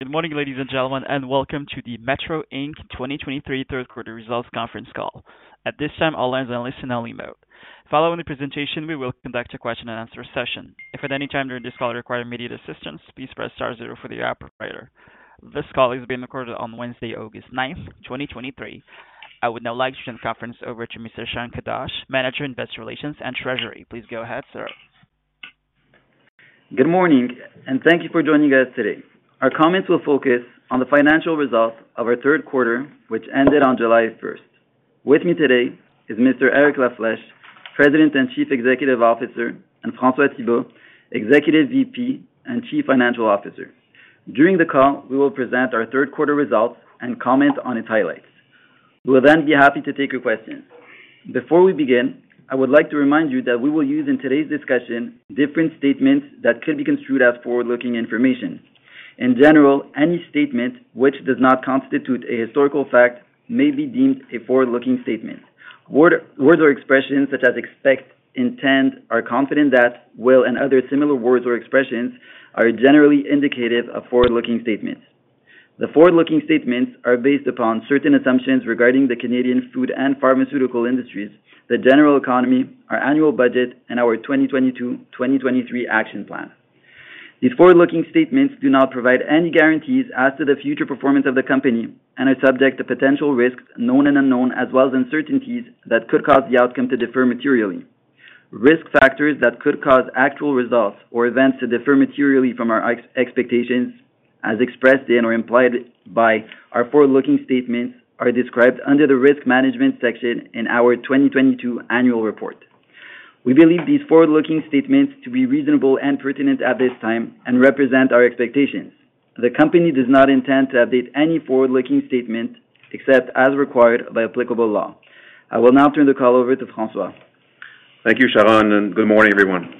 Good morning, ladies and gentlemen, and welcome to the Metro Inc. 2023 third quarter results conference call. At this time, all lines are in listen-only mode. Following the presentation, we will conduct a question-and-answer session. If at any time during this call require immediate assistance, please press star zero for the operator. This call is being recorded on Wednesday, August ninth, 2023. I would now like to turn the conference over to Mr. Sharon Kadoche, Manager in Investor Relations and Treasury. Please go ahead, sir. Good morning, thank you for joining us today. Our comments will focus on the financial results of our third quarter, which ended on July 1st. With me today is Mr. Eric La Flèche, President and Chief Executive Officer, and François Thibault, Executive VP and Chief Financial Officer. During the call, we will present our third quarter results and comment on its highlights. We'll be happy to take your questions. Before we begin, I would like to remind you that we will use in today's discussion, different statements that could be construed as forward-looking information. In general, any statement which does not constitute a historical fact may be deemed a forward-looking statement. Words or expressions such as expect, intent, are confident that, will, and other similar words or expressions are generally indicative of forward-looking statements. The forward-looking statements are based upon certain assumptions regarding the Canadian food and pharmaceutical industries, the general economy, our annual budget, and our 2022, 2023 action plan. These forward-looking statements do not provide any guarantees as to the future performance of the company and are subject to potential risks, known and unknown, as well as uncertainties that could cause the outcome to differ materially. Risk factors that could cause actual results or events to differ materially from our expectations, as expressed in or implied by our forward-looking statements, are described under the Risk Management section in our 2022 annual report. We believe these forward-looking statements to be reasonable and pertinent at this time and represent our expectations. The company does not intend to update any forward-looking statement except as required by applicable law. I will now turn the call over to François. Thank you, Sharon. Good morning, everyone.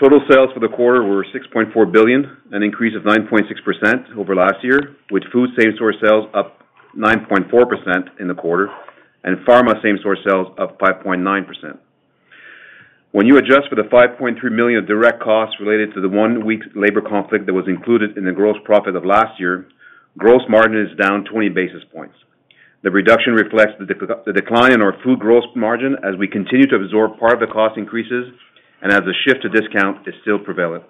Total sales for the quarter were 6.4 billion, an increase of 9.6% over last year, with food same store sales up 9.4% in the quarter and pharma same store sales up 5.9%. When you adjust for the 5.3 million direct costs related to the one-week labor conflict that was included in the gross profit of last year, gross margin is down 20 basis points. The reduction reflects the decline in our food gross margin as we continue to absorb part of the cost increases and as the shift to discount is still prevalent.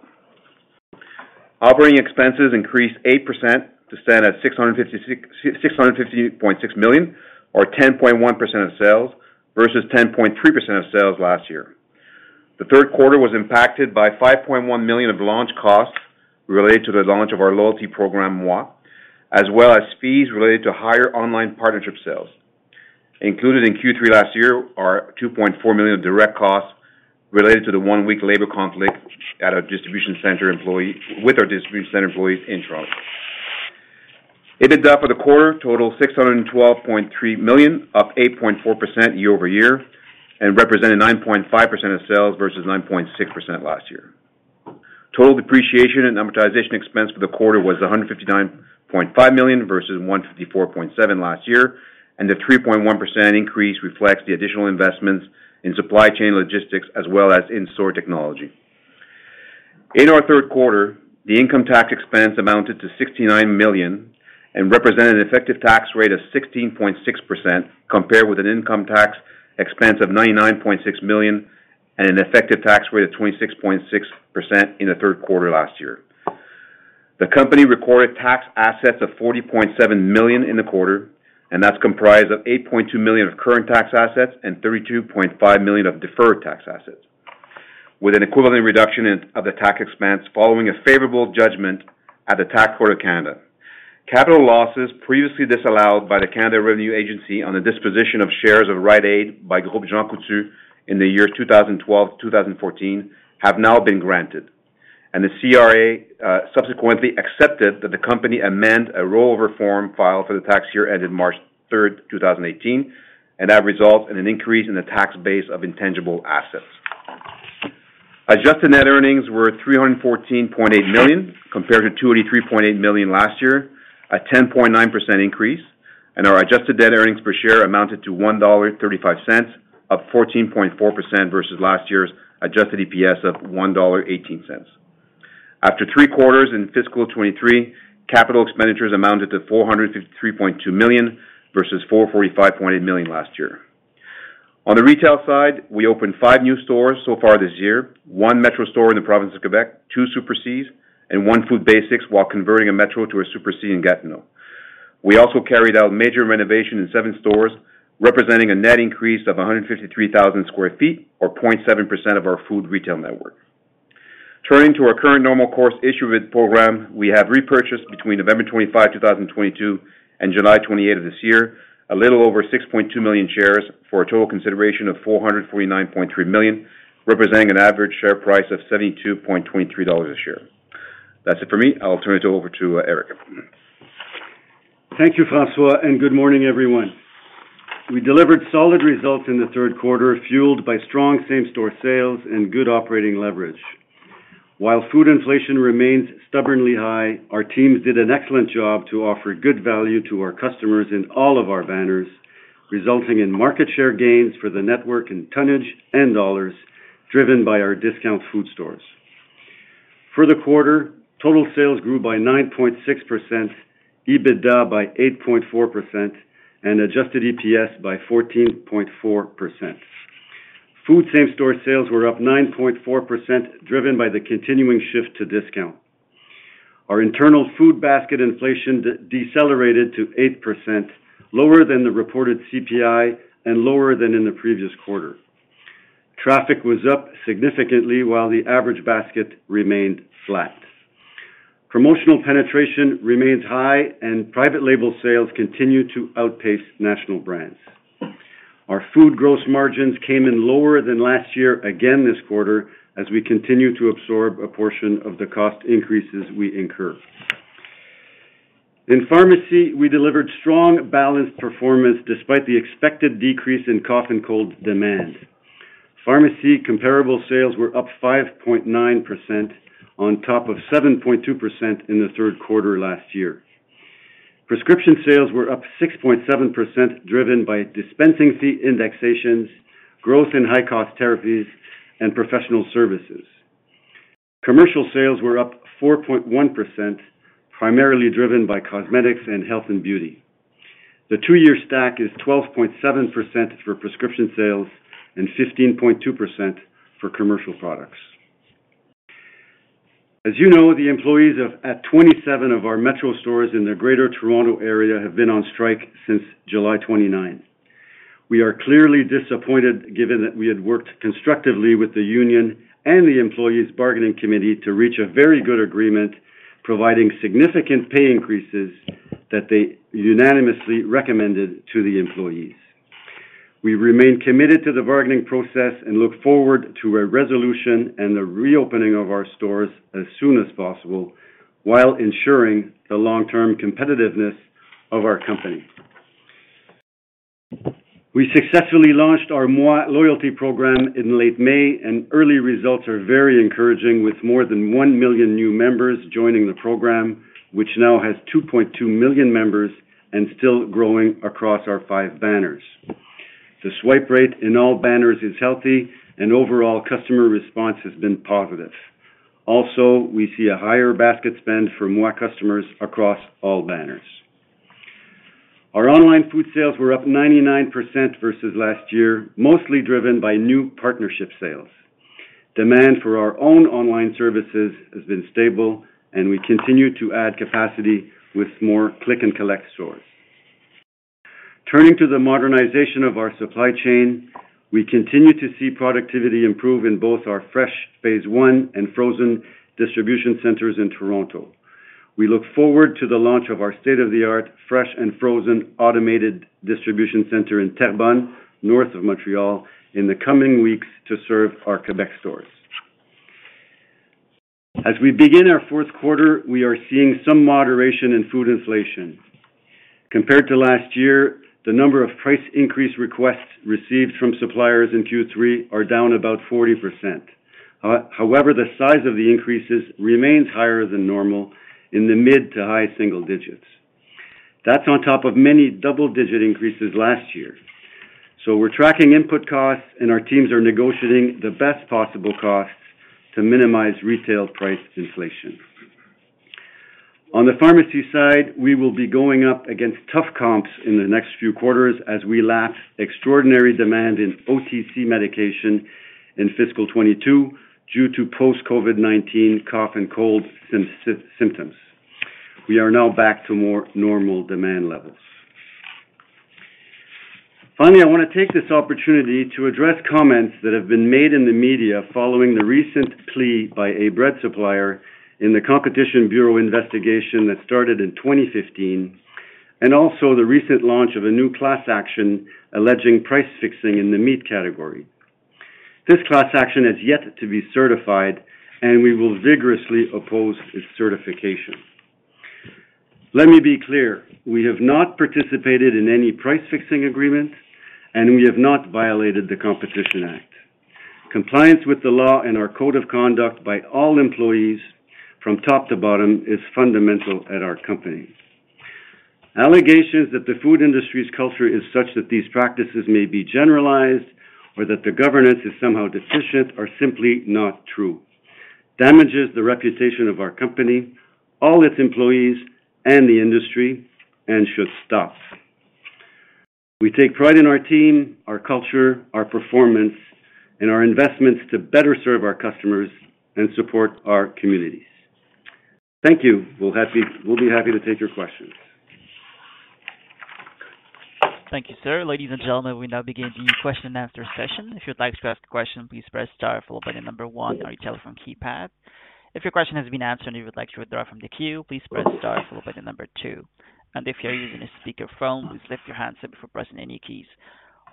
Operating expenses increased 8% to stand at 650.6 million, or 10.1% of sales, versus 10.3% of sales last year. The third quarter was impacted by 5.1 million of launch costs related to the launch of our loyalty program, Moi, as well as fees related to higher online partnership sales. Included in Q3 last year are 2.4 million of direct costs related to the one-week labor conflict with our distribution center employees in Toronto. EBITDA for the quarter totaled 612.3 million, up 8.4% year-over-year, and represented 9.5% of sales versus 9.6% last year. Total depreciation and amortization expense for the quarter was CAD 159.5 million versus CAD 154.7 million last year. The 3.1% increase reflects the additional investments in supply chain logistics as well as in-store technology. In our third quarter, the income tax expense amounted to 69 million and represented an effective tax rate of 16.6%, compared with an income tax expense of 99.6 million and an effective tax rate of 26.6% in the third quarter last year. The company recorded tax assets of 40.7 million in the quarter. That's comprised of 8.2 million of current tax assets and 32.5 million of deferred tax assets, with an equivalent reduction in, of the tax expense following a favorable judgment at the Tax Court of Canada. Capital losses previously disallowed by the Canada Revenue Agency on the disposition of shares of Rite Aid by Groupe Jean Coutu in the years 2012 to 2014, have now been granted. The CRA subsequently accepted that the company amend a rollover form filed for the tax year ended March 3, 2018, and that results in an increase in the tax base of intangible assets. Adjusted net earnings were 314.8 million, compared to 283.8 million last year, a 10.9% increase, and our adjusted net earnings per share amounted to 1.35 dollar, up 14.4% versus last year's adjusted EPS of 1.18 dollar. After three quarters in fiscal 2023, capital expenditures amounted to 453.2 million versus 445.8 million last year. On the retail side, we opened five new stores so far this year, one Metro store in the province of Quebec, two Super Cs, and one Food Basics, while converting a Metro to a Super C in Gatineau. We also carried out major renovation in seven stores, representing a net increase of 153,000 sq ft, or 0.7% of our food retail network. Turning to our current normal course issue with program, we have repurchased between November 25, 2022 and July 28 of this year, a little over 6.2 million shares for a total consideration of 449.3 million, representing an average share price of 72.23 dollars a share. That's it for me. I'll turn it over to Eric. Thank you, François. Good morning, everyone. We delivered solid results in the third quarter, fueled by strong same-store sales and good operating leverage. While food inflation remains stubbornly high, our teams did an excellent job to offer good value to our customers in all of our banners, resulting in market share gains for the network in tonnage and dollars.... driven by our discount food stores. For the quarter, total sales grew by 9.6%, EBITDA by 8.4%, and adjusted EPS by 14.4%. Food same-store sales were up 9.4%, driven by the continuing shift to discount. Our internal food basket inflation decelerated to 8%, lower than the reported CPI and lower than in the previous quarter. Traffic was up significantly, while the average basket remained flat. Promotional penetration remains high, and private label sales continue to outpace national brands. Our food gross margins came in lower than last year again this quarter, as we continue to absorb a portion of the cost increases we incur. In pharmacy, we delivered strong, balanced performance despite the expected decrease in cough and cold demand. Pharmacy comparable sales were up 5.9%, on top of 7.2% in the third quarter last year. Prescription sales were up 6.7%, driven by dispensing fee indexations, growth in high-cost therapies, and professional services. Commercial sales were up 4.1%, primarily driven by cosmetics and health and beauty. The two-year stack is 12.7% for prescription sales and 15.2% for commercial products. As you know, the employees of, at 27 of our Metro stores in the Greater Toronto area have been on strike since July 29th. We are clearly disappointed, given that we had worked constructively with the union and the employees' bargaining committee to reach a very good agreement, providing significant pay increases that they unanimously recommended to the employees. We remain committed to the bargaining process and look forward to a resolution and the reopening of our stores as soon as possible, while ensuring the long-term competitiveness of our company. We successfully launched our Moi loyalty program in late May, and early results are very encouraging, with more than 1 million new members joining the program, which now has 2.2 million members and still growing across our five banners. The swipe rate in all banners is healthy, and overall customer response has been positive. Also, we see a higher basket spend for Moi customers across all banners. Our online food sales were up 99% versus last year, mostly driven by new partnership sales. Demand for our own online services has been stable, and we continue to add capacity with more click-and-collect stores. Turning to the modernization of our supply chain, we continue to see productivity improve in both our fresh phase 1 and frozen distribution centers in Toronto. We look forward to the launch of our state-of-the-art fresh and frozen automated distribution center in Terrebonne, north of Montreal, in the coming weeks to serve our Quebec stores. As we begin our fourth quarter, we are seeing some moderation in food inflation. Compared to last year, the number of price increase requests received from suppliers in Q3 are down about 40%. However, the size of the increases remains higher than normal in the mid-to-high single digits. That's on top of many double-digit increases last year. We're tracking input costs, and our teams are negotiating the best possible costs to minimize retail price inflation. On the pharmacy side, we will be going up against tough comps in the next few quarters as we lap extraordinary demand in OTC medication in fiscal 22 due to post-COVID-19 cough and cold symptoms. We are now back to more normal demand levels. Finally, I want to take this opportunity to address comments that have been made in the media following the recent plea by a bread supplier in the Competition Bureau investigation that started in 2015, and also the recent launch of a new class action alleging price fixing in the meat category. This class action has yet to be certified, and we will vigorously oppose its certification. Let me be clear, we have not participated in any price-fixing agreements, and we have not violated the Competition Act. Compliance with the law and our code of conduct by all employees, from top to bottom, is fundamental at our company. Allegations that the food industry's culture is such that these practices may be generalized or that the governance is somehow deficient, are simply not true. Damages the reputation of our company, all its employees, and the industry, and should stop. We take pride in our team, our culture, our performance, and our investments to better serve our customers and support our communities. Thank you. We'll be happy to take your questions. Thank you, sir. Ladies and gentlemen, we now begin the question and answer session. If you'd like to ask a question, please press star followed by the number one on your telephone keypad. If your question has been answered and you would like to withdraw from the queue, please press star followed by the number two. If you're using a speakerphone, please lift your handset before pressing any keys.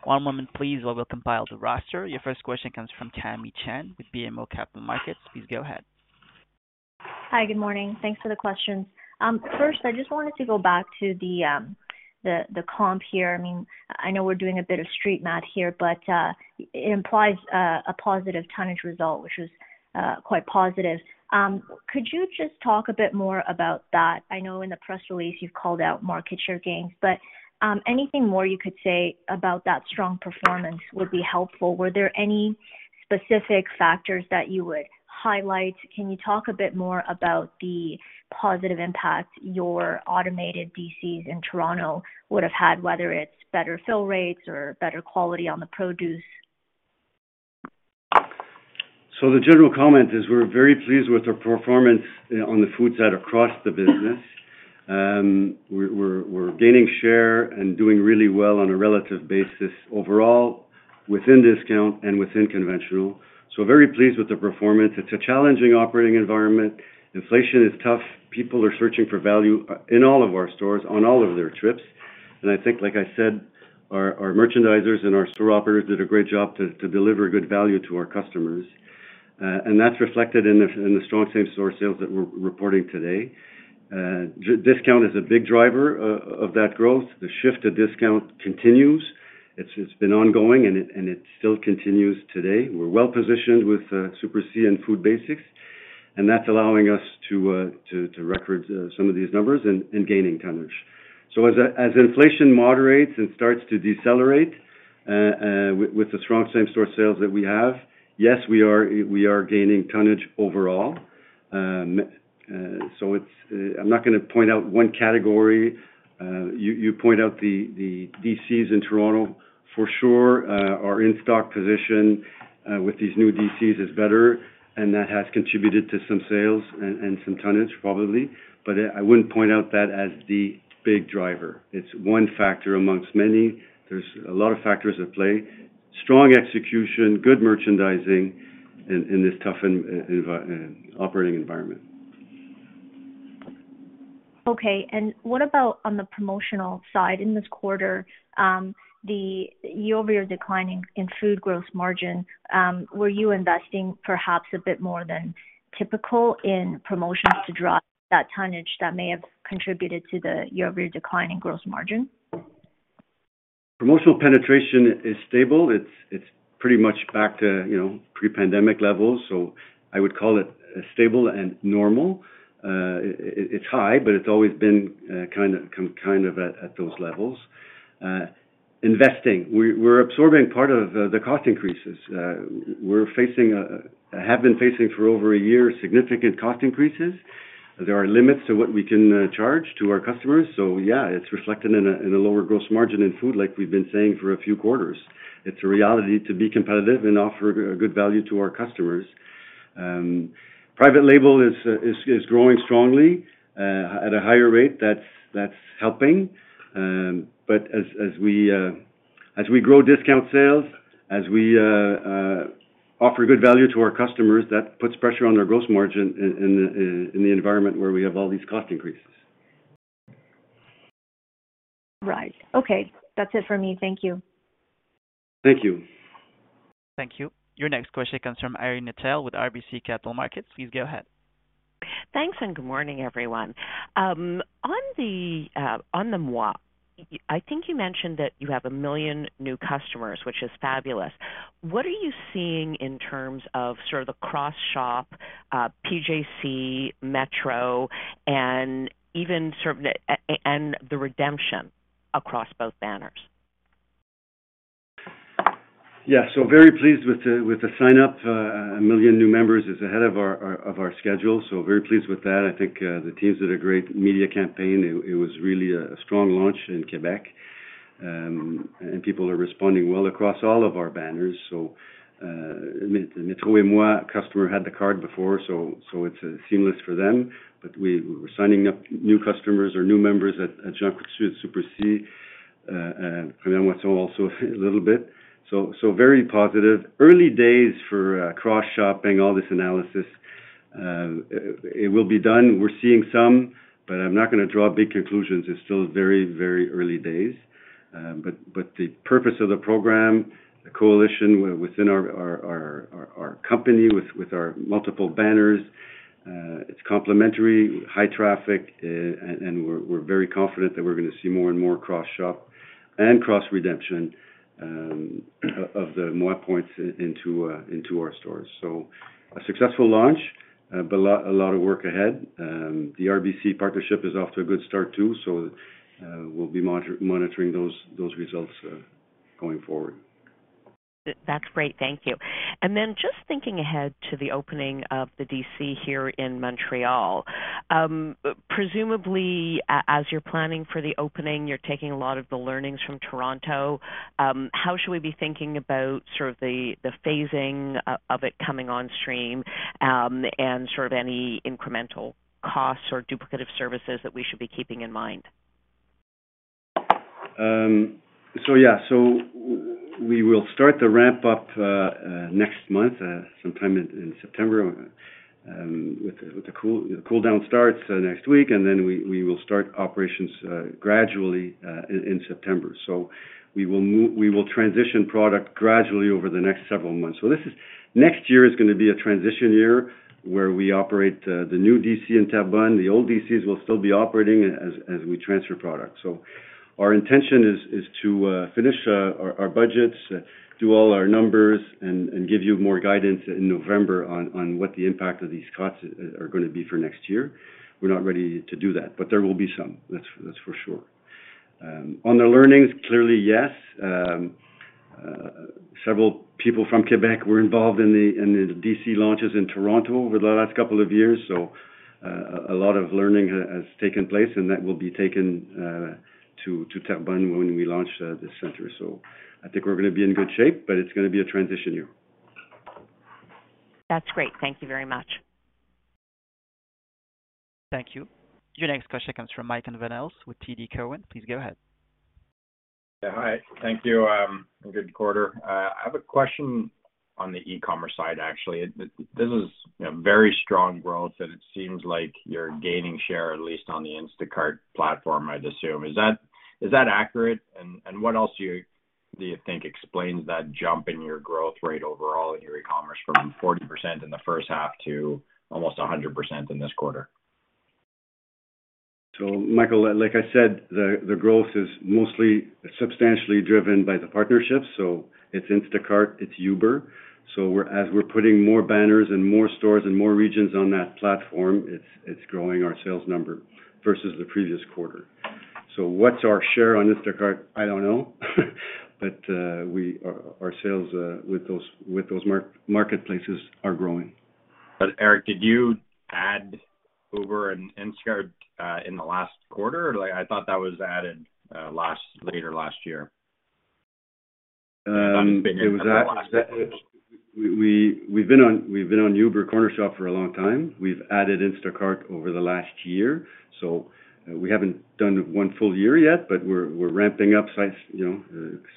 One moment please while we compile the roster. Your first question comes from Tamy Chen with BMO Capital Markets. Please go ahead. Hi, good morning. Thanks for the questions. First, I just wanted to go back to the, the, the comp here. I mean, I know we're doing a bit of street math here, but it implies a positive tonnage result, which is quite positive. Could you just talk a bit more about that? I know in the press release you've called out market share gains, but anything more you could say about that strong performance would be helpful. Were there any-... specific factors that you would highlight, can you talk a bit more about the positive impact your automated DCs in Toronto would have had, whether it's better fill rates or better quality on the produce? The general comment is, we're very pleased with our performance on the food side across the business. We're, we're, we're gaining share and doing really well on a relative basis overall, within discount and within conventional. Very pleased with the performance. It's a challenging operating environment. Inflation is tough. People are searching for value in all of our stores, on all of their trips. I think, like I said, our, our merchandisers and our store operators did a great job to, to deliver good value to our customers. That's reflected in the, in the strong same-store sales that we're reporting today. Discount is a big driver of that growth. The shift to discount continues. It's, it's been ongoing, and it, and it still continues today. We're well positioned with Super C and Food Basics, and that's allowing us to to record some of these numbers and gaining tonnage. As inflation moderates and starts to decelerate, with the strong same-store sales that we have, yes, we are gaining tonnage overall. I'm not gonna point out one category. You, you point out the, the DCs in Toronto, for sure, our in-stock position with these new DCs is better, and that has contributed to some sales and, and some tonnage, probably. I wouldn't point out that as the big driver. It's one factor amongst many. There's a lot of factors at play. Strong execution, good merchandising in, in this tough operating environment. Okay. What about on the promotional side? In this quarter, the year-over-year declining in food gross margin, were you investing perhaps a bit more than typical in promotions to drive that tonnage that may have contributed to the year-over-year decline in gross margin? Promotional penetration is stable. It's, it's pretty much back to, you know, pre-pandemic levels, so I would call it stable and normal. It's high, but it's always been kinda at those levels. Investing. We're, we're absorbing part of the cost increases. We're facing, have been facing for over a year, significant cost increases. There are limits to what we can charge to our customers. Yeah, it's reflected in a lower gross margin in food, like we've been saying for a few quarters. It's a reality to be competitive and offer a good value to our customers. Private label is growing strongly at a higher rate. That's, that's helping. As, as we grow discount sales, as we offer good value to our customers, that puts pressure on our gross margin in, in the environment where we have all these cost increases. Right. Okay. That's it for me. Thank you. Thank you. Thank you. Your next question comes from Irene Nattel with RBC Capital Markets. Please go ahead. Thanks, and good morning, everyone. On the, on the Moi, I think you mentioned that you have a million new customers, which is fabulous. What are you seeing in terms of sort of the cross-shop, PJC, Metro, and even sort of the, and the redemption across both banners? Yeah. So very pleased with the, with the sign-up. 1 million new members is ahead of our, our, of our schedule, so very pleased with that. I think the teams did a great media campaign. It, it was really a, a strong launch in Quebec, and people are responding well across all of our banners. Metro and Moi customer had the card before, so it's seamless for them, but we're signing up new customers or new members at Jean Coutu, Super C, and also a little bit. Very positive. Early days for cross-shopping, all this analysis, it will be done. We're seeing some, but I'm not gonna draw big conclusions. It's still very, very early days. The purpose of the program, the coalition within our company, with our multiple banners, it's complementary, high traffic, and we're very confident that we're gonna see more and more cross-shop and cross redemption of the Moi points into our stores. A successful launch, but a lot of work ahead. The RBC partnership is off to a good start, too. We'll be monitoring those results going forward. That's great. Thank you. Then just thinking ahead to the opening of the DC here in Montreal, presumably, as you're planning for the opening, you're taking a lot of the learnings from Toronto. How should we be thinking about sort of the, the phasing of it coming on stream, and sort of any incremental costs or duplicative services that we should be keeping in mind? So yeah. So we will start the ramp-up next month, sometime in September, with the, with the cool, the cool down starts next week, and then we, we will start operations gradually in September. So we will transition product gradually over the next several months. So this is next year is gonna be a transition year, where we operate the new DC in Terrebonne. The old DCs will still be operating as we transfer products. So our intention is to finish our budgets, do all our numbers, and give you more guidance in November on what the impact of these costs are gonna be for next year. We're not ready to do that, but there will be some. That's for sure. On the learnings, clearly, yes. Several people from Quebec were involved in the DC launches in Toronto over the last couple of years. A lot of learning has taken place, and that will be taken to Terrebonne when we launch this center. I think we're gonna be in good shape, but it's gonna be a transition year. That's great. Thank you very much. Thank you. Your next question comes from Michael Van Aelst with TD Cowen. Please go ahead. Yeah, hi. Thank you. Good quarter. I have a question on the e-commerce side, actually. This is, you know, very strong growth, and it seems like you're gaining share, at least on the Instacart platform, I'd assume. Is that, is that accurate? What else do you, do you think explains that jump in your growth rate overall in your e-commerce from 40% in the first half to almost 100% in this quarter? Michael, like I said, the, the growth is mostly substantially driven by the partnerships, so it's Instacart, it's Uber. We're as we're putting more banners and more stores and more regions on that platform, it's, it's growing our sales number versus the previous quarter. What's our share on Instacart? I don't know. We, our, our sales with those, with those marketplaces are growing. Eric, did you add Uber and Instacart in the last quarter? Like, I thought that was added later last year. It was. We've been on Cornershop by Uber for a long time. We've added Instacart over the last year, so we haven't done 1 full year yet, but we're ramping up size, you know,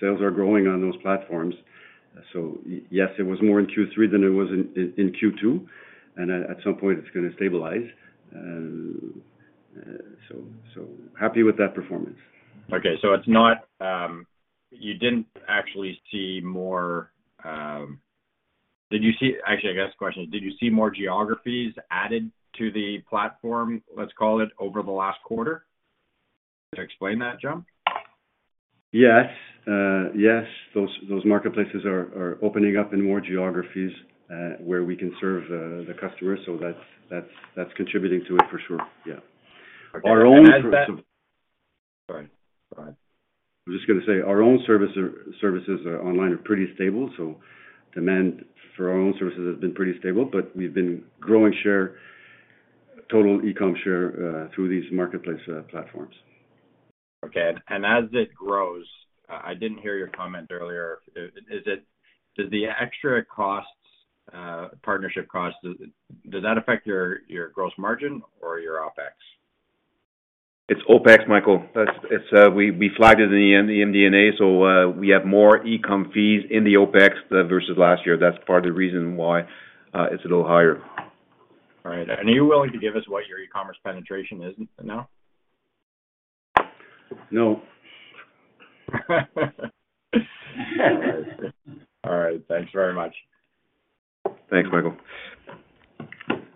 sales are growing on those platforms. Yes, it was more in Q3 than it was in Q2, and at some point it's gonna stabilize. So happy with that performance. Okay, it's not. You didn't actually see more. Actually, I guess the question is, did you see more geographies added to the platform, let's call it, over the last quarter to explain that jump? Yes. Yes, those, those marketplaces are, are opening up in more geographies, where we can serve the customer. That's, that's, that's contributing to it for sure. Yeah. Okay. Our own- Go ahead. Go ahead. I was just gonna say, our own service, services are online are pretty stable, so demand for our own services has been pretty stable, but we've been growing share, total e-com share, through these marketplace platforms. Okay. As it grows, I didn't hear your comment earlier. Does the extra costs, partnership costs, does that affect your, your gross margin or your OpEx? It's OpEx, Michael. We flagged it in the MD&A, so we have more e-com fees in the OpEx than versus last year. That's part of the reason why it's a little higher. All right. Are you willing to give us what your e-commerce penetration is now? No. All right. Thanks very much. Thanks, Michael.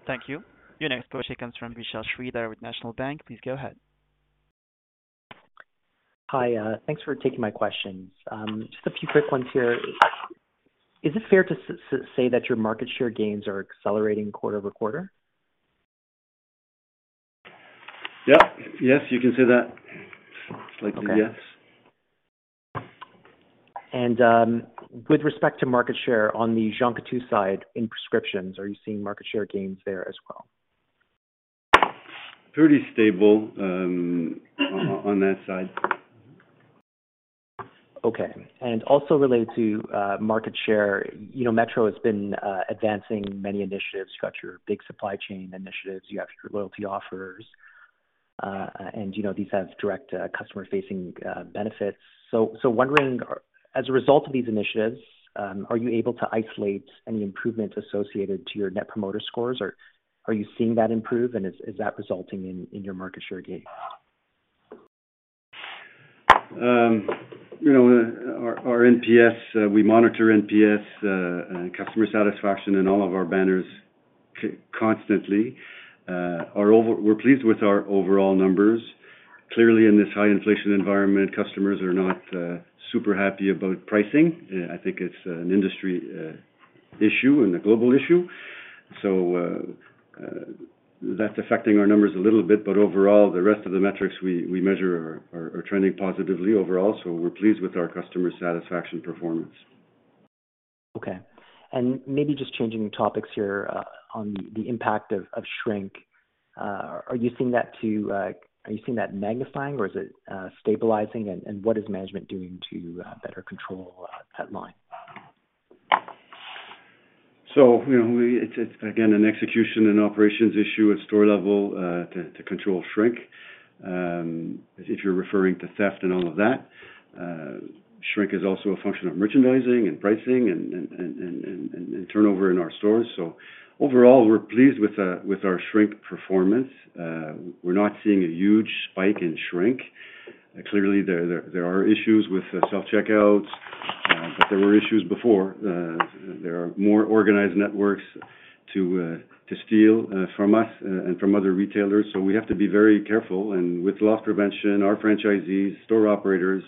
Thank you. Your next question comes from Vishal Shreedhar with National Bank. Please go ahead. Hi, thanks for taking my questions. Just a few quick ones here. Is it fair to say that your market share gains are accelerating quarter-over-quarter? Yeah. Yes, you can say that. Okay. Yes. With respect to market share, on the Jonquière side, in prescriptions, are you seeing market share gains there as well? Pretty stable, on that side. Okay. Also related to market share, you know, Metro has been advancing many initiatives, got your big supply chain initiatives, you have your loyalty offers, and, you know, these have direct customer-facing benefits. Wondering, as a result of these initiatives, are you able to isolate any improvements associated to your Net Promoter Scores, or are you seeing that improve, and is, is that resulting in, in your market share gains? You know, our, our NPS, we monitor NPS, and customer satisfaction in all of our banners constantly. We're pleased with our overall numbers. Clearly, in this high inflation environment, customers are not super happy about pricing. I think it's an industry issue and a global issue. That's affecting our numbers a little bit, but overall, the rest of the metrics we, we measure are, are trending positively overall. We're pleased with our customer satisfaction performance. Okay. Maybe just changing topics here, on the impact of shrink. Are you seeing that magnifying or is it stabilizing? What is management doing to better control that line? You know, it's, it's again, an execution and operations issue at store level, to, to control shrink. If you're referring to theft and all of that, shrink is also a function of merchandising and pricing and, and, and, and turnover in our stores. Overall, we're pleased with, with our shrink performance. We're not seeing a huge spike in shrink. Clearly, there, there, there are issues with self-checkouts, but there were issues before. There are more organized networks to, to steal from us and from other retailers, so we have to be very careful. With loss prevention, our franchisees, store operators,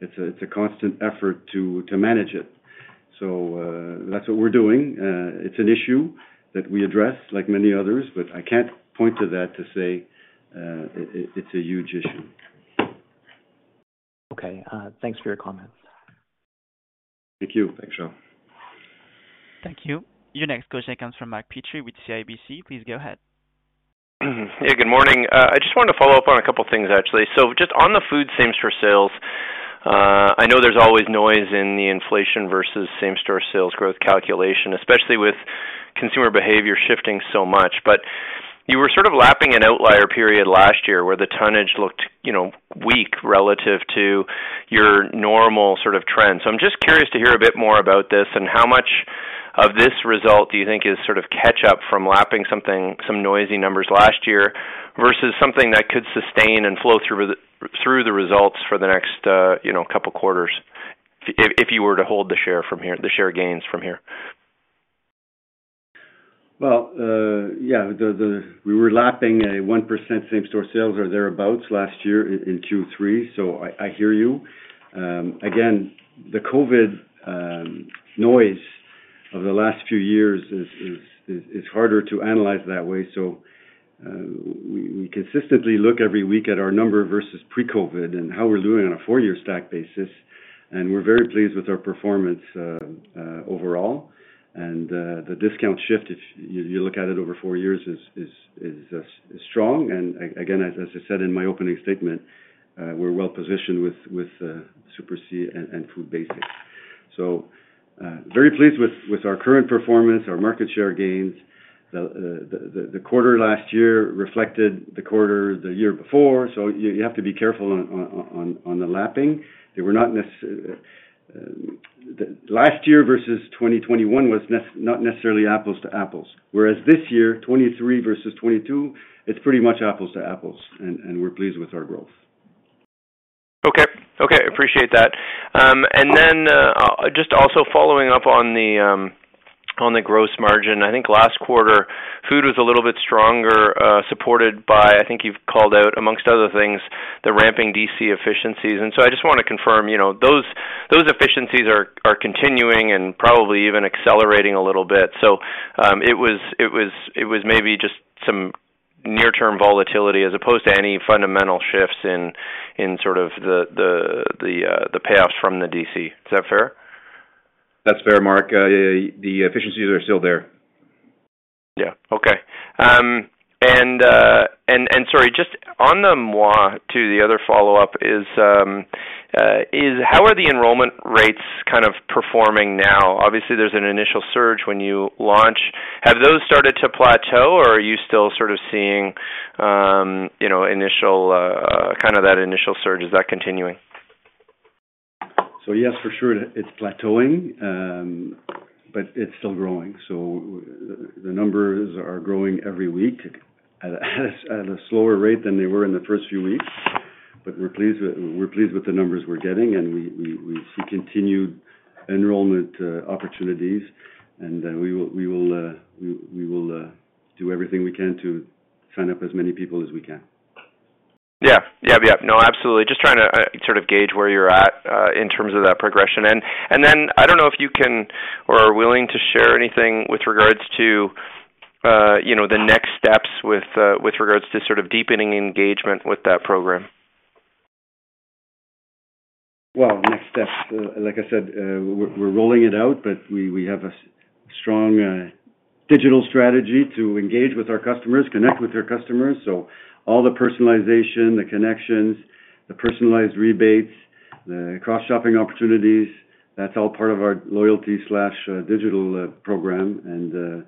it's a, it's a constant effort to, to manage it. That's what we're doing. It's an issue that we address, like many others, but I can't point to that to say, it, it, it's a huge issue. Okay. Thanks for your comments. Thank you. Thanks, John. Thank you. Your next question comes from Mark Petrie with CIBC. Please go ahead. Hey, good morning. I just wanted to follow up on a couple of things, actually. Just on the food same-store sales, I know there's always noise in the inflation versus same-store sales growth calculation, especially with consumer behavior shifting so much. You were sort of lapping an outlier period last year where the tonnage looked, you know, weak relative to your normal sort of trend. I'm just curious to hear a bit more about this and how much of this result do you think is sort of catch up from lapping something, some noisy numbers last year, versus something that could sustain and flow through the, through the results for the next, you know, couple quarters, if, if you were to hold the share from here, the share gains from here? Well, yeah, the, the, we were lapping a 1% same-store sales or thereabout last year in, in Q3, so I, I hear you. Again, the COVID noise of the last few years is, is, is harder to analyze that way. We, we consistently look every week at our number versus pre-COVID and how we're doing on a 4-year stack basis, and we're very pleased with our performance overall. The discount shift, if you, you look at it over 4 years, is, is, is strong. Again, as, as I said in my opening statement, we're well positioned with, with Super C and, and Food Basics. Very pleased with, with our current performance, our market share gains. The quarter last year reflected the quarter the year before, so you have to be careful on the lapping. They were not necessarily. Last year versus 2021 was not necessarily apples to apples, whereas this year, 2023 versus 2022, it's pretty much apples to apples, and we're pleased with our growth. Okay. Okay, appreciate that. Then, just also following up on the, on the gross margin. I think last quarter, food was a little bit stronger, supported by, I think you've called out, amongst other things, the ramping DC efficiencies. So I just want to confirm, you know, those, those efficiencies are, are continuing and probably even accelerating a little bit. It was, it was, it was maybe just some near-term volatility as opposed to any fundamental shifts in, in sort of the, the, the, the payoffs from the DC. Is that fair? That's fair, Mark. The efficiencies are still there. Yeah. Okay. And sorry, just on the Moi, to the other follow-up, is how are the enrollment rates kind of performing now? Obviously, there's an initial surge when you launch. Have those started to plateau, or are you still sort of seeing, you know, initial, kind of that initial surge? Is that continuing? Yes, for sure, it, it's plateauing, but it's still growing. The numbers are growing every week, at a, at a slower rate than they were in the first few weeks. We're pleased with, we're pleased with the numbers we're getting, and we, we, we see continued enrollment, opportunities, and we will, we will, we, we will, do everything we can to sign up as many people as we can. Yeah. Yep, yep. No, absolutely. Just trying to sort of gauge where you're at in terms of that progression. Then I don't know if you can or are willing to share anything with regards to, you know, the next steps with regards to sort of deepening engagement with that program. Well, next steps, like I said, we're, we're rolling it out, but we, we have a strong digital strategy to engage with our customers, connect with our customers. All the personalization, the connections, the personalized rebates, the cross-shopping opportunities, that's all part of our loyalty slash digital program. You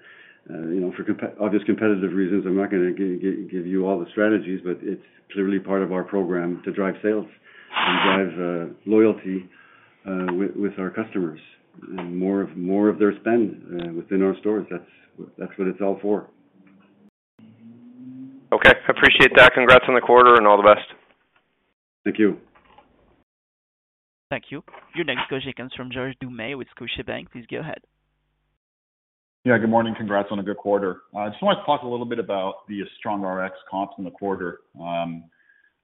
know, for obvious competitive reasons, I'm not gonna give, give, give you all the strategies, but it's clearly part of our program to drive sales and drive loyalty with, with our customers. More of, more of their spend within our stores. That's, that's what it's all for. Okay, appreciate that. Congrats on the quarter. All the best. Thank you. Thank you. Your next question comes from George Doumet with Scotiabank. Please go ahead. Yeah, good morning. Congrats on a good quarter. I just want to talk a little bit about the strong Rx comps in the quarter. I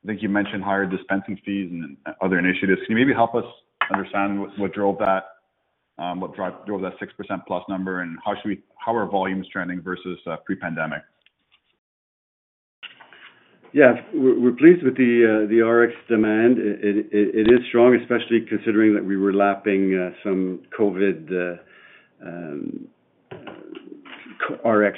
think you mentioned higher dispensing fees and other initiatives. Can you maybe help us understand what, what drove that, what drove that 6% plus number, and how are volumes trending versus pre-pandemic? Yeah. We're, we're pleased with the Rx demand. It, it, it is strong, especially considering that we were lapping some COVID Rx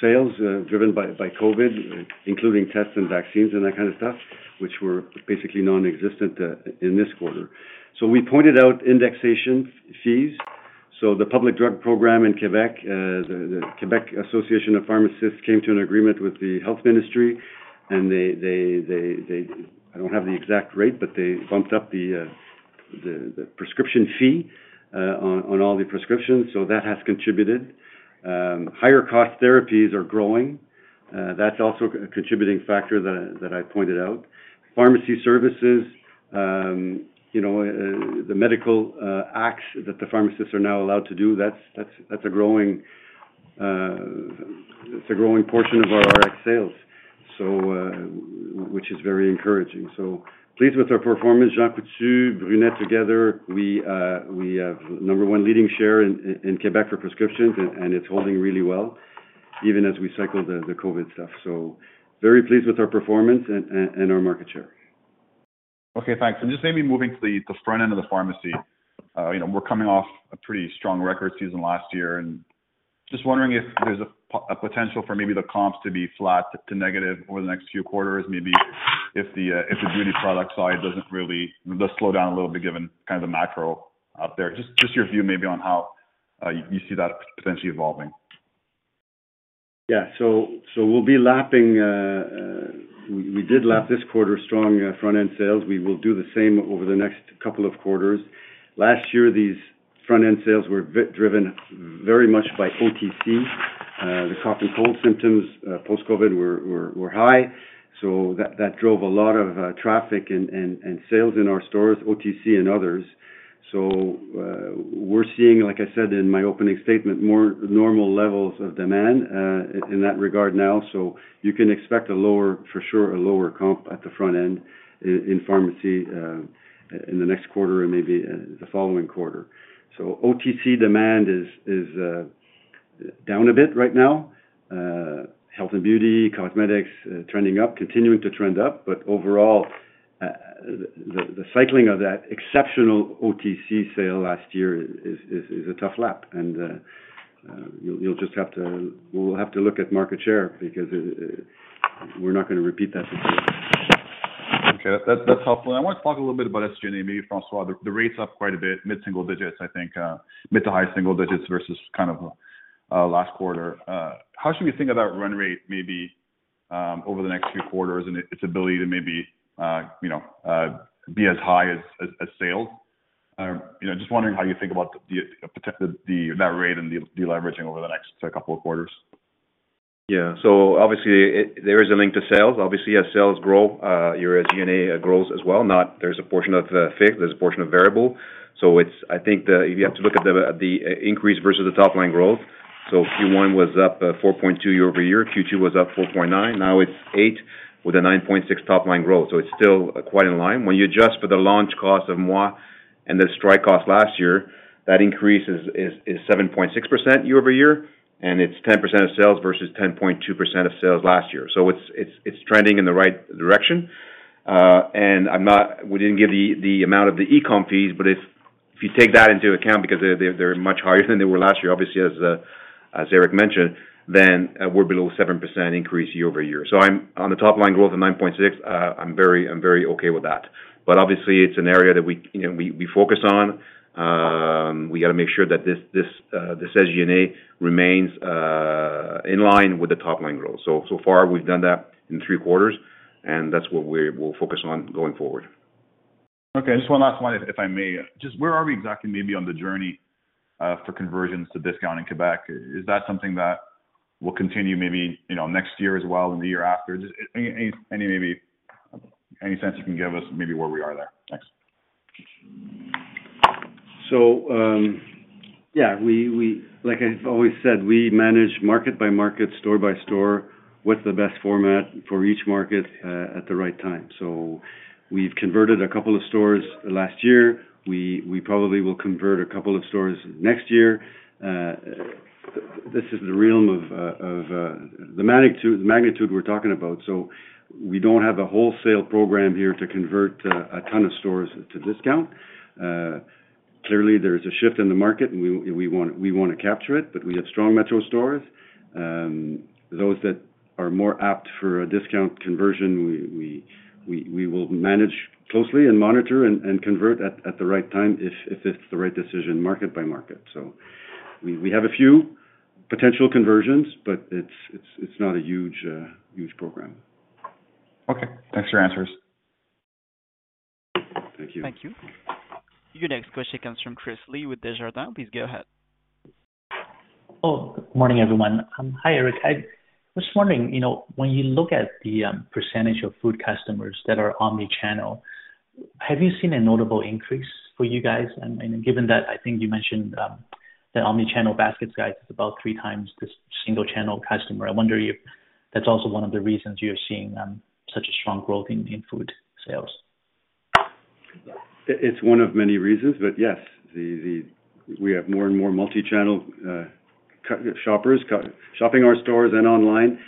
sales driven by, by COVID, including tests and vaccines and that kind of stuff, which were basically nonexistent in this quarter. We pointed out indexation fees. The public drug program in Quebec, the Quebec Association of Pharmacists, came to an agreement with the health ministry, and I don't have the exact rate, but they bumped up the prescription fee on, on all the prescriptions, so that has contributed. Higher cost therapies are growing. That's also a contributing factor that I, that I pointed out. Pharmacy services, you know, the medical acts that the pharmacists are now allowed to do, that's, that's, that's a growing, that's a growing portion of our Rx sales. Which is very encouraging. Pleased with our performance. Jean Coutu, Brunet together, we have number 1 leading share in, in Quebec for prescriptions, and, and it's holding really well, even as we cycle the, the COVID stuff. Very pleased with our performance and, and, and our market share. Okay, thanks. Just maybe moving to the, the front end of the pharmacy. You know, we're coming off a pretty strong record season last year, and just wondering if there's a po- a potential for maybe the comps to be flat to negative over the next few quarters. Maybe if the, if the beauty product side doesn't really... Does slow down a little bit, given kind of the macro out there. Just, just your view maybe on how, you see that potentially evolving? Yeah. We'll be lapping, we did lap this quarter, strong front-end sales. We will do the same over the next couple of quarters. Last year, these front-end sales were driven very much by OTC. The cough and cold symptoms post-COVID were high, so that drove a lot of traffic and sales in our stores, OTC and others. We're seeing, like I said in my opening statement, more normal levels of demand in that regard now. You can expect a lower, for sure, a lower comp at the front end in pharmacy in the next quarter and maybe the following quarter. OTC demand is down a bit right now. Health and beauty, cosmetics trending up, continuing to trend up. Overall, the cycling of that exceptional OTC sale last year is, is, is a tough lap, and, we'll have to look at market share because, we're not gonna repeat that success. Okay, that, that's helpful. I want to talk a little bit about SG&A, maybe, François. The rate's up quite a bit, mid-single digits, I think, mid to high single digits versus kind of, last quarter. How should we think about run rate, maybe, over the next few quarters and its ability to maybe, you know, be as high as, as sales? You know, just wondering how you think about the, the, potential, the, that rate and the deleveraging over the next couple of quarters. Yeah. Obviously, there is a link to sales. Obviously, as sales grow, your SG&A grows as well. There's a portion of, there's a portion of variable. It's, I think, the If you have to look at the, the increase versus the top-line growth, Q1 was up 4.2 year-over-year, Q2 was up 4.9, now it's 8, with a 9.6 top line growth, so it's still quite in line. When you adjust for the launch cost of Moi and the Strike cost last year, that increase is, is, is 7.6% year-over-year, and it's 10% of sales versus 10.2% of sales last year. It's, it's, it's trending in the right direction. I'm not, we didn't give the, the amount of the e-com fees, but if, if you take that into account, because they're, they're, they're much higher than they were last year, obviously, as Eric mentioned, then we're below 7% increase year-over-year. I'm on the top-line growth of 9.6, I'm very, I'm very okay with that. Obviously, it's an area that we, you know, we, we focus on. We got to make sure that this, this SG&A remains in line with the top-line growth. So far, we've done that in 3 quarters, and that's what we're, we'll focus on going forward. Okay, just one last one, if I may. Just where are we exactly maybe on the journey for conversions to discount in Quebec? Is that something that will continue maybe, you know, next year as well, and the year after? Just any, any, maybe, any sense you can give us, maybe where we are there. Thanks. Yeah, we, like I've always said, we manage market by market, store by store, what's the best format for each market at the right time. We've converted a couple of stores last year. We, we probably will convert a couple of stores next year. This is the realm of the magnitude, magnitude we're talking about. We don't have a wholesale program here to convert a ton of stores to discount. Clearly, there's a shift in the market, and we, we want, we want to capture it, but we have strong Metro stores. Those that are more apt for a discount conversion, we, we, we, we will manage closely and monitor and, and convert at, at the right time if, if it's the right decision, market by market. We, we have a few potential conversions, but it's, it's, it's not a huge, huge program. Okay. Thanks for your answers. Thank you. Thank you. Your next question comes from Chris Li with Desjardins. Please go ahead. Oh, good morning, everyone. Hi, Eric. I was wondering, you know, when you look at the percentage of food customers that are omnichannel, have you seen a notable increase for you guys? Given that, I think you mentioned the omnichannel basket size is about 3 times the single-channel customer, I wonder if that's also one of the reasons you're seeing such a strong growth in, in food sales. It, it's one of many reasons, but yes. We have more and more multi-channel shoppers, shopping our stores and online,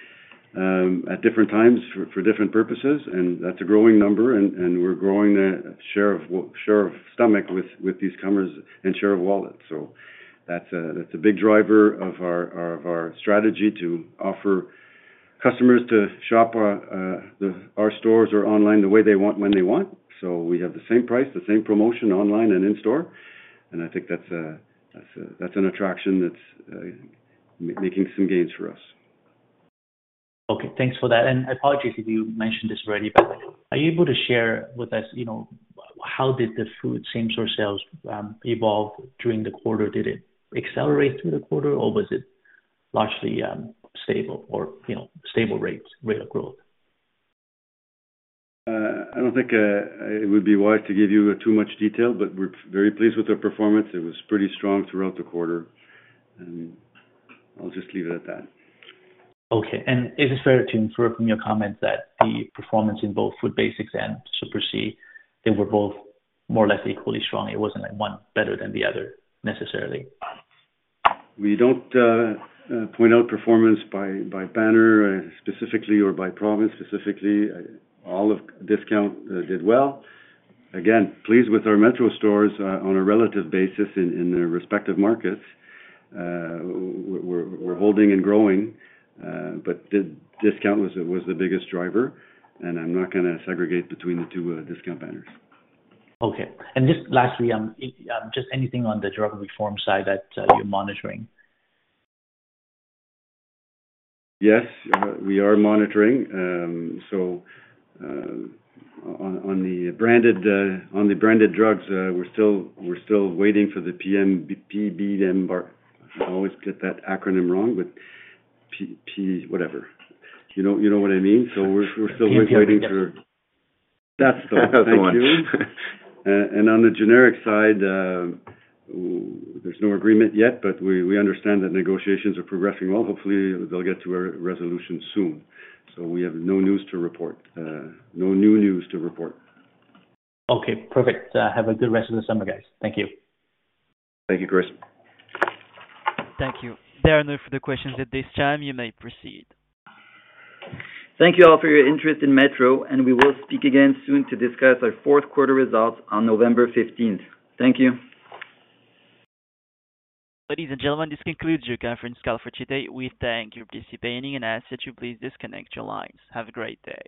at different times for different purposes, and that's a growing number, and we're growing a share of stomach with these customers and share of wallet. That's a big driver of our strategy to offer customers to shop on our stores or online, the way they want, when they want. We have the same price, the same promotion, online and in-store. I think that's an attraction that's making some gains for us. Okay, thanks for that. Apologies if you mentioned this already, but are you able to share with us, you know, how did the food same-store sales evolve during the quarter? Did it accelerate through the quarter, or was it largely stable or, you know, stable rates, rate of growth? I, I don't think, it would be wise to give you too much detail, but we're very pleased with their performance. It was pretty strong throughout the quarter, and I'll just leave it at that. Okay. Is it fair to infer from your comments that the performance in both Food Basics and Super C, they were both more or less equally strong? It wasn't like one better than the other, necessarily. We don't point out performance by banner, specifically, or by province, specifically. All of discount did well. Again, pleased with our Metro stores on a relative basis in their respective markets. We're holding and growing, but the discount was the biggest driver, and I'm not gonna segregate between the two discount banners. Okay. Just lastly, just anything on the drug reform side that you're monitoring? Yes, we are monitoring. On the branded drugs, we're still waiting for the PMPRB. I always get that acronym wrong, but Whatever. You know, you know what I mean? We're still waiting for- Yes. That's thank you. On the generic side, there's no agreement yet, but we, we understand that negotiations are progressing well. Hopefully, they'll get to a resolution soon. We have no news to report, no new news to report. Okay, perfect. Have a good rest of the summer, guys. Thank you. Thank you, Chris. Thank you. There are no further questions at this time. You may proceed. Thank you all for your interest in Metro, and we will speak again soon to discuss our fourth quarter results on November 15th. Thank you. Ladies and gentlemen, this concludes your conference call for today. We thank you for participating and ask that you please disconnect your lines. Have a great day.